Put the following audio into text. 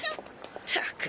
ったく。